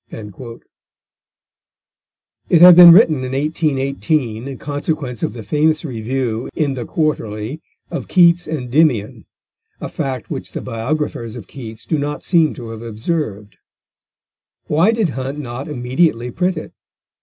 _ It had been written in 1818, in consequence of the famous review in the Quarterly of Keats's Endymion, a fact which the biographers of Keats do not seem to have observed. Why did Hunt not immediately print it?